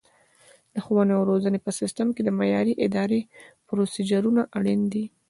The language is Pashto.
د ښوونې او روزنې په سیستم کې د معیاري ادرایې پروسیجرونه اړین دي.